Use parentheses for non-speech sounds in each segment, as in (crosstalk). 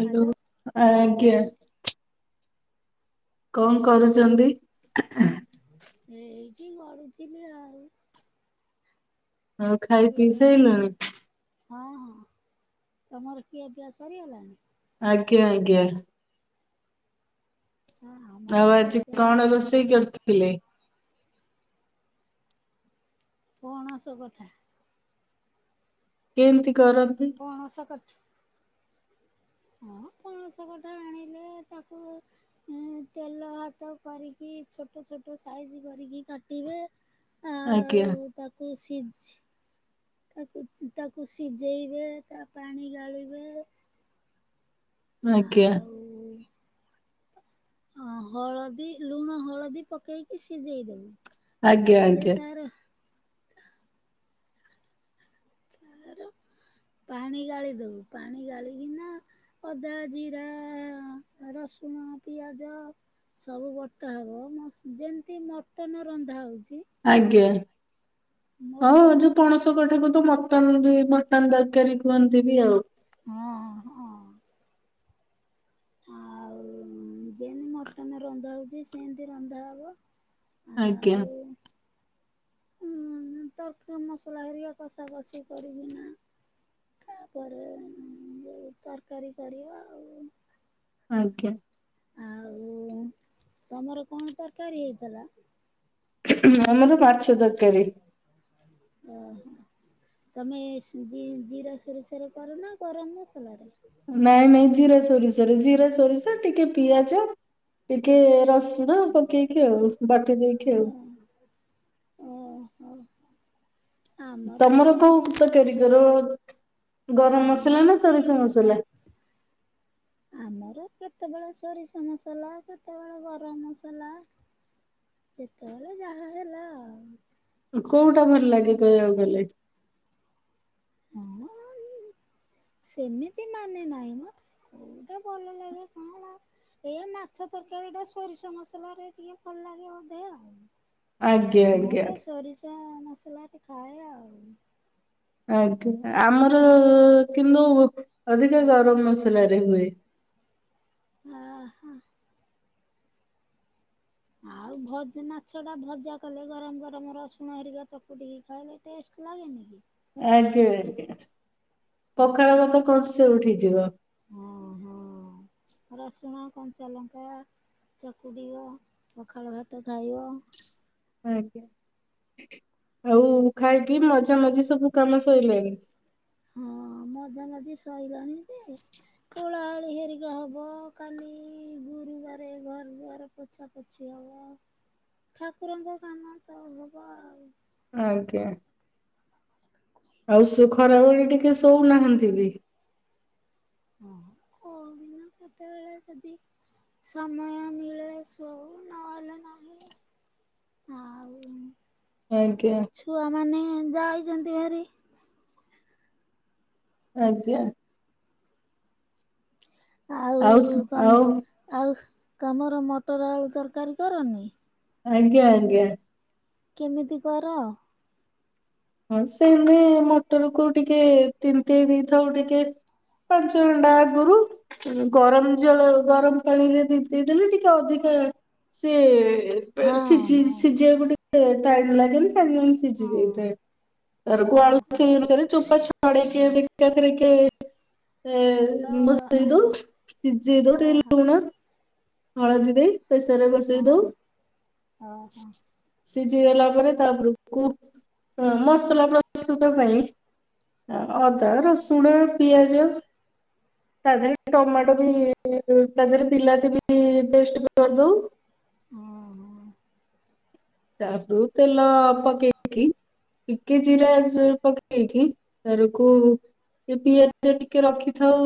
Hello hello ଆଜ୍ଞା। କଣ କରୁଚନ୍ତି? ଏଇଠି ଗଡୁଥିଲି ଆଉ। ଆଉ ଖାଇ ପିଇ ଏଇଠି ସାଇଲଣୀ? ହଁ ହଁ ତମର କିଆ ପିଆ ସରିଗଲାଣି? ଆଜ୍ଞା ଆଜ୍ଞା। ହଁ ଆମର ଆଉ ଆଜି ଖିଆପିଆ କଣ ସରିଗଲାଣି। ରୋଷେଇ କରିଥିଲେ? ପଣସ କଠା। କେମିତି କରନ୍ତି? ପଣସ କଠା ହଁ ପ ଣସ କଠା ଆଣିଲେ ତାକୁ ତେଲ ହାତ କରିକି ଛୋଟ ଛୋଟ ସାଇଜ କରିକି କାଟିବେ। ଆଜ୍ଞା। ସିଝି ତାକୁ ତାକୁ ସିଝେଇବେ ତା ପାଣି ଗାଳିବେ। ଆଜ୍ଞା। ଆଉ ଅ ହଳଦୀ ଲୁଣ ହଳଦୀ ପକେଇକି ସିଜେଇଦବୁ। ଆଜ୍ଞା ତାପରେ ଆଜ୍ଞା ତାର ତାର ପାଣି ଗାଳିଦବୁ ପାଣି ଗାଳିିକିନା ଆଦା ଜିରା, ରସୁଣ, ପିଆଜ ସବୁ ବଟା ହବ ମ ଯେମତି ମଟନ ରନ୍ଧା ହଉ ଆଜ୍ଞା ହଉ ମଟନ ଯୋଉ ପଣସ କଠାକୁ ତ ମଟନ ବି ମଟନ ତରକାରୀ କୁହନ୍ତି ବି ଆଉ। ହଁ ହଁ। ଆଉ ଯେତି ମଟନ ରନ୍ଧା ହଉଚି ସେମତି ରନ୍ଧା ହବ। ଆଜ୍ଞା। ଆଉ (inaudible) ତରକା ମସଲା ହେରିକା କଷା କଷି କରିବି ନା ତାପରେ ଯୋଉ ତରକାରୀ କରିବା ଆଉ। ଆଜ୍ଞା। ଆଉ ତମର କଣ ତରକାରୀ ହେଇଥିଲା? ଆମର ମାଛ ତରକାରୀ। ଓ ହୋ। ତମେ ଜି-ଜିରା ସୋରିଷ ରେ କର ନା ଗରମ ମସଲାରେ? ନାଇଁ ନାଇଁ ଜିରା ସୋରିଷରେ ଜିରା ସୋରିଷ ଟିକେ ପିଆଜ ଟିକେ ରସୁଣ (inaudible) ପକେଇକି ଆଉ ବାଟି ଦେଇକି ହୁଁ ଆଉ (inaudible) ଆମର ବି ତମର କୋଉ ସେମିତିଆ ତରକାରି କର? ଗରମ ମସଲା ଆମର ନା ସେଇ ସୋରିଷ ମସଲା? ଆମର କେତେବେଳେ ସୋରିଷ ମସଲା କେତେବେଳେ ଗରମ ମସଲା ଯେତେବେଳେ ଯ। ହା ହେଲା କୋଉଟା ଭଲ ଲାଗେ କହିବାକୁ ଗଲେ (inaudible) ହଁ ସେମିତି ମାନେ ନାହିଁ ମ କୋଉଟା ଭଲ ଲାଗେ କଣ ଆଉ? ଏ ମାଛ ତରକାରୀ ଟା ସୋରିଷ ମସଲାରେ ଟିକେ ଭଲ ଲାଗେ ବୋଧେ ଆଜ୍ଞା ଆଉ। ମୁଁ ଆଜ୍ଞା ତ ସୋରିଷ ମସଲା ଖାଏ ଆଉ ଆଜ୍ଞା ଆମର କିନ୍ତୁ ଅଧକା ଗରମ ମସଲାରେ ହୁଏ। (inaudible) ଆ ହା ଆଉ ଭଜା ମାଛଟା ଭଜା କଲେ ଗରମ ଗରମ ରସୁଣ ହେରିକା ଚକୁଟିକି ଖାଇଲେ ଟେଷ୍ଟ ଲାଗେ ନେକି? ଆଜ୍ଞା ଆଜ୍ଞା ପଖାଳ ମାଛ ଭାତ କଂସେ ଉଠିଯିବ ହଁ ହଁ ରସୁଣ କଞ୍ଚା ଲଙ୍କା ଚକୁଟିବ ପଖାଳ ଭାତ ଖାଇବ। ଆଜ୍ଞା ଆଉ ଖାଇ ପିଇ ମଜା ମଜି ସବୁ କାମ ସଇଲାଣି? ମଜା ମଜି ସରଲାଣି ଯେ ଓଲାଏଳି ହେରିକା ହବ କାଲି ଗୁରୁବାରେ ଘର ଦୁଆର ପୋଛା ପୋଛି ହ (inaudible) ଠାକୁରଙ୍କ କାମ ତ ହବ ଆଉ ଆଜ୍ଞା ଆଉ ସୁ ଘର ଆଡ଼େ ଟିକେ ଶୋଉନାହାନ୍ତି ବି ଓ ଓ କେତବେଳେଦ (unintelligible) ସମୟ ମିଳେ ଶୋଉ ନ ହେଲେ ନାଇଁ (inaudible) ଆଜ୍ଞା ଛୁଆମାନେ ଯା ଇଛନ୍ତି ଭାରି ଆଜ୍ଞା-' ଆଉ ଆଉ ଆଉ ତମର ମଟର ଆଳୁ ତରକାରୀ କରନି? ଆଜ୍ଞା ଆଜ୍ଞା କେମିତି କର? ହଁ ସେମି ମଟର କୁ ଟିକେ ତିନ୍ତେଇ ଦେଇଥାଉ ଟିକେ। ପାଞ୍ଚ ଘଣ୍ଟା ଆଗରୁ ଗରମ ଜଳ ଗରମ ପାଣି ରେ ତିନ୍ତେଇ ଦେଲେ ଟିକେ ଅଧିକା ଆଁ, ସେ ପେ ହଁ ସିଝି ହଁ ସିଝିବାକୁ ଟିକେ ଟାଇମ୍ ଲାଗେନି ସାଙ୍ଗେ ସାଙ୍ଗେ ସିଝି ହଁ ଯାଇଥାଏ। ରଗୁ ଆଳୁ ହଁ ହଁ। ସେଇ ଅନୁସାରେ ଚୋପା ଛଡେଇକି, ଏକାଥରକେ ଏ ଓହୋ ବସେଇଦଉ, ସିଜେଇ ଦଉ ଟିକେ ଓହୋ ଲୁଣ ହଳଦୀ ଦେଇ ପ୍ରେସରରେ ହଁ ବସେଇ ଦଉ। ଓହୋ ସିଝି ଗଲା ପରେ ତାପରକୁ ମସଲା ପ୍ରସ୍ତୁତ ପାଇଁ ଅଦା ଓହୋ ରସୁଣ ପିଆଜ ତା ଦେହେରେ ଟମାଟୋ ବି ତା ଦେହରେ ବିଲାତି ବି ପେଷ୍ଟ୍ କରିଦଉ। ହୁଁ ହୁଁ। ତାପୁ ତେଲ ପକେଇକି ଟିକେ ଜିରା ଜୁ ପକେଇକି ତାରୁକୁ ଟିକେ ପିଆଜ ଟିକେ ରଖିଥାଉ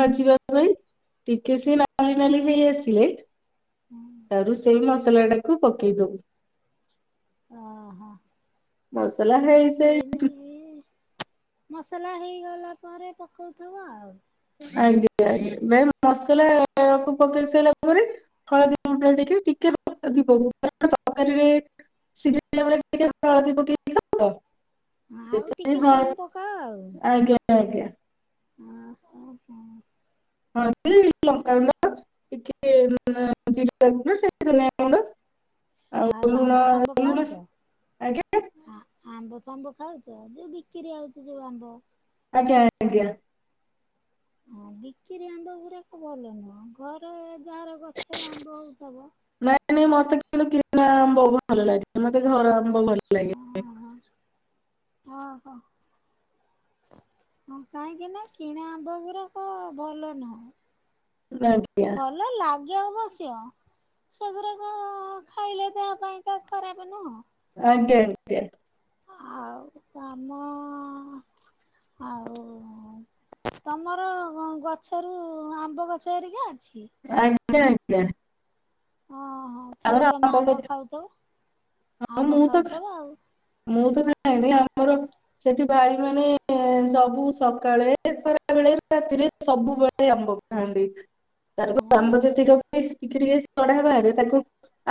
ଭାଜିବା ପାଇଁ ଟି କେ ସେ ନାଲି ନାଲି ହେଇ ଆସିଲେ! ତାରୁ ସେଇ ମସଲାଟାକୁ ପକେଇଦବୁ। ଅ ହ, ସେଇ ନାଗି ମସଲା ହେଇଗଲା ପରେ ପକୋଉଥୁବ ଆଉ ଆାଜ୍ଞା ଆାଜ୍ଞା, ମ୍ୟାମ୍ ମସଲା-ଆ କୁ ପକେଇ ସାଇଲା ପରେ ହଳଦୀ ଗୁଣ୍ଡା ଟିକେ ଟିକେ (unintelligible) ତରକାରୀରେ ସିଝା ହେଲା ବେଳେ ଟିକେ ହଳଦୀ ପକେଇ ଥାଉ ତ ଆଉ ଦେଖିକି ଟିକେ ହଁ କମ୍ ପକାଅ ଆଜ୍ଞା ଆଜ୍ଞା। ଆ ହ ହ ହଁ କି ଲଙ୍କାଗୁଣ୍ଡ ଟିକେ ଜିରାଗୁଣ୍ଡ ଟିକେ ଧନିଆଗୁଣ୍ଡ। ଆଉ ଆମ୍ବ ଫାମ୍ବ ଖାଉଛ, ଆଜ୍ଞା ଆମ୍ବ ଫାମ୍ବ ଖାଉ ଯୋଉ ବିକ୍ରି ଆଉଛି ଯୋଉ ଆମ୍ବ। ଆଜ୍ଞା ଆଜ୍ଞା। ହଁ ବିକ୍ରି ଆମ୍ବ ଗୁୁରାକ ଭଲ ନୁହଁ, ଘର ଯାହାର ଗଛରେ ଆମ୍ବ ହଉଥବ। ନାଇ ନାଇଁ ମତେ କିନ୍ତୁ କିଣା ଆମ୍ବ ଭଲ ଲାଗେ, ମତେ ଘର ଆମ୍ବ ଭଲ ଲାଗେନି। ଅ ହ। ହଁ କାହିଁକି ନା କିଣା ଆମ୍ବ ଗୁରାକ ଭଲ ନୁହଁ। ଆଜ୍ଞା। ଭଲ ଲାଗେ ଅବଶ୍ୟ ସେଗୁରାକ ଖାଇଲେ ଦେହ ପାଇଁକା ଖରାପ ନୁହଁ? ଆଜ୍ଞା ଆଜ୍ଞା। ଆଉ କାମ ଆ ଆଉ ତମର ଗଛରୁ ଆମ୍ବ ଗଛ ହେରିକା ଅଛି? ଆଜ୍ଞା ଆଜ୍ଞା। ହଁ ହଁ ଆମର ଖାଉ ତମେ ଆମ୍ବ ଗଛ ଖାଉଥବ ହଁ, ଆମ୍ବ ମୁଁ ତ ଖାଉଥବ ଆଉ। ମୁଁ ତ ଖାଏନି ଆମର ସେଠି ଭାଇ ମାନେ ସବୁ ସକାଳେ ଖରାବେ ବେଳେ ରାତିରେ ସବୁବେଳେ ଆମ୍ବ ଖାଆନ୍ତି, ତାରପ ହଁ ଆମ୍ବ ଯେତିକ ବି ଟିକେ ଟିକେ ସଢା ବାହାରେ ତାକୁ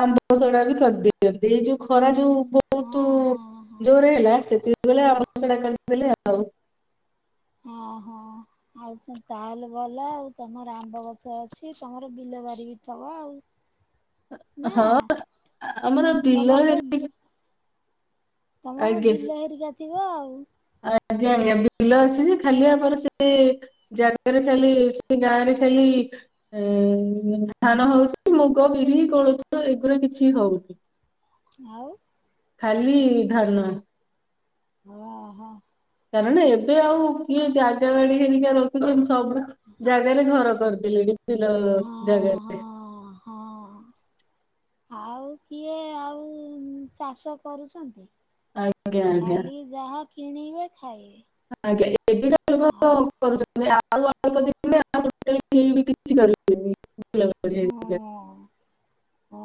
ଆମ୍ବ ସଢା ବି କରିଦିଅନ୍ତି, ଏଇ ଯୋଉ ଖରା ଯୋଉ ବହୁତୁ ହଁ ହଁ ହଁ। ଜୋରେ ହେଲା। ସେତିକି ବେଳେ ଆମ୍ବସଢା କରିଦେଲି ଆଉ। ହଁ, ହଁ ଆଉ ତାହେଲେ ଭଲ ଆଉ, ତମର ଆମ୍ବଗ ଛା ଅଛି ତମର ବିଲ ବାର ବି ଥିବ ଆଉ। ହଁ ନା? ଆମର ବିଲ ତମର ବା ବାରି ତମର ବିଲ ହେରିକା ଥିବ ଆଉ। ଆଜ୍ଞା ଆଜ୍ଞା, ବିଲ ଅଛି ଯେ, ଖାଲି ଆମର ସେ ଜାଗାରେ ଖାଲି, ସେ ଗାଁ ରେ ଖାଲି ଏଁ ଧାନ ହଉଛି ମୁଗ, ବିରି, କୋଳଥ ଏଗୁରା କିଛି ହଉନି। ଆଉ, ଖାଲି ଧାନ ହଁ ହଁ କାରଣ ଏବେ ଆଉ କିଏ ଜାଗା ବାଡି ହେରିକା ରଖୁଛନ୍ତି ସବୁ ଜାଗାରେ ଘର କରି ଦେଲେଣି (inaudible) ହଁ ଜାଗାରେ ହଁ ହଁ ଆଉ କିଏ ଆଉ ଚାଷ କରୁଛନ୍ତି? ଆଜ୍ଞା ଆଜ୍ଞା ଖାଲି ଯାହା କିଣିବେ? ଖାଇବେ ଆଜ୍ଞା ଏବେ ତ ଆଉ କରୁଛନ୍ତି ଆଉ ଅଳ୍ପ ଦିନରେ ଆଉ ଟୋଟାଲି କେହିବି କିଛି କରିପାରିବେ ନି। ହଁ (inaudible) ଯେ ହଁ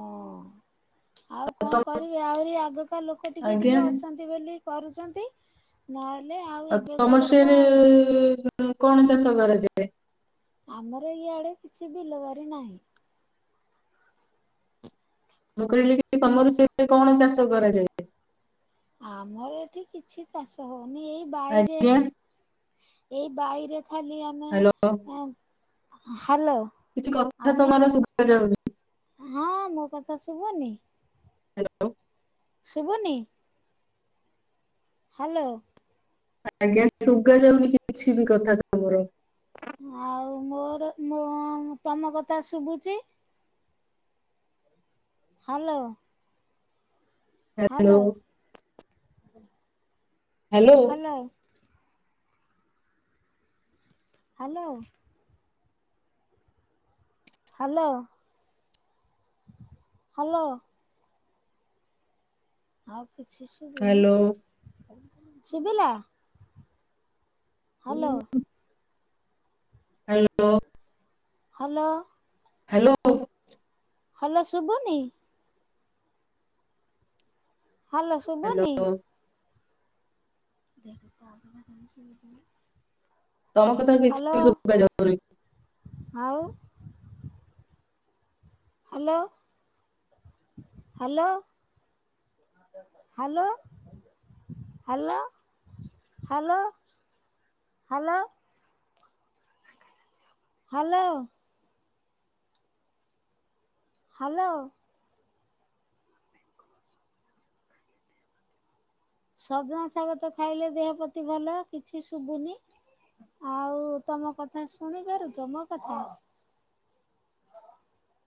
ଆଉ କଣ ତମ କରିବି ଆହୁରି ଆଗକାା ଲୋକ ଟିକେ ଟିକେ ଆଜ୍ଞା ଅଛନ୍ତି ବୋଲି କରୁଛନ୍ତି। ନା ଆଉ ତମର ସେରେ କଣ ଚାଷ କରାଯାଏ? ଆମର ଇଆଡେ କିଛି ବିଲବା ନାହିଁ। ମୁଁ କହିଲି ତମର ସେଠି କଣ ଚାଷ କରାଯାଏ? ଆମର ଏଠି କିଛି ଚାଷ ହୋଉନି ଏଇ ବାଇରେ ଆଜ୍ଞା ଏଇ ବାଇରେ ଖାଲି ଆମେ ହ୍ୟାଲୋ ଏମ୍ କିଛି କଥା ତମର ଶୁଭା ଯାଉନି। ହଁ ମୋ କଥା ଶୁଭନି ହାଲୋ। ଶୁଭୁନି? ହାଲୋ। ଆଜ୍ଞା ସୁୁଭା ଯାଉନି କିଛି ବି କଥା ତମର ଆଉ ମୋର ମୁଁ ତମ କଥା ଶୁଭୁଚି। Hello. Hello. Hello. Hello. Hello. Hello. ଆଉ କିଛି ଶୁଭୁନି ହ୍ୟାଲୋ ଶଭିଲା। ହୁଁ। ହାଲୋ। ହାଲୋ। ହାଲୋ। ହାଲୋ ଶୁଭୁନି? ହାଲୋ ଶୁଭନି? ହ୍ୟାଲୋ ଦେଖ ତ ଆଉ (unintelligible) ଚି ନା। ତମ କଥା କିଛିବି ସୁବା ଯାଉନି। ଆଉ hello hello. Hello. Hello hello hello. Hello. Hello. ସଜନା ଶାଗ ତ ଖାଇଲେ ଦେହ ପ୍ରତି ଭଲ କିଛି ଶୁଭୁନି ଆଉ ତମ କଥା ଶୁଣି ପାରୁଚ ମୋ କଥା? ଆ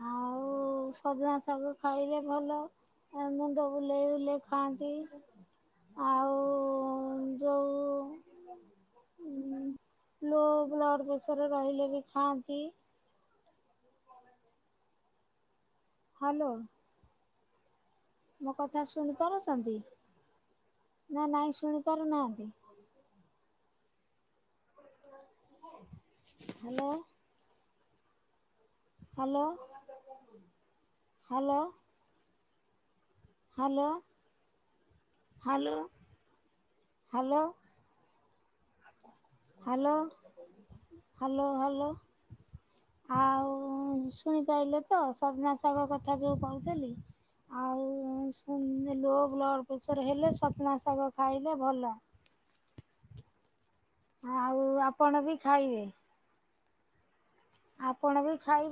ହୋଉ। ଉ ସଜନା ଶାଗ ଖାଇଲେ ଭଲ ମୁଣ୍ଡ ବୁଲେଇ ବୁଲେଇ ଖାଆନ୍ତି। ଆଉ ଯୋଉ ଉଁ ଲୋ ବ୍ଲଡ଼୍ ପ୍ରେସର ରହିଲେ ବି ଖାଆନ୍ତି। ହ୍ୟାଲୋ। ମୋ କଥା ଶୁଣିପାରୁଛନ୍ତି? ନା ନାଇଁ ଶୁଣି ପାରୁନାହାନ୍ତି। Hello hello hello. Hello. Hello hello. Hello hello hello. ଆଉ ଶୁଣି ପାଇଲେ ତ ସଜନା ଶାଗ କଥା ଯୋଉ କହୁଥେଲି। ଆଉ ଲୋ ବ୍ଲଡ ପ୍ରେସର ହେଲେ ସଜନା ଶାଗ ଖାଇଲେ ଭଲ। (inaudible) ଆଉ ଆପଣ ବି ଖାଇବେ। ଆପଣ ବି ଖାଇ